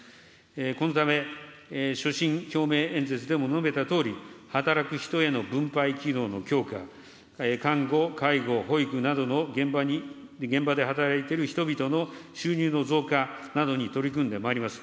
このため、所信表明演説でも述べたとおり、働く人への分配機能の強化、看護、介護、保育などの現場で働いている人々の収入の増加などに取り組んでまいります。